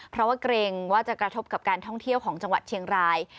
เพราะว่าเกรงว่าจะกระทบกับการท่องเที่ยวของจังหวัดเชียงราย